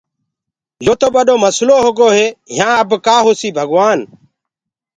يو تو ٻڏو مسلو هوگو هي يهآن اب ڪآ هوسيٚ ڀگوآن اور